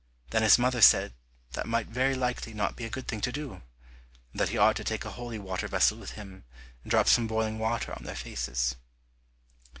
Then his mother said that might very likely not be a good thing to do, and that he ought to take a holy water vessel with him, and drop some boiling water on their faces.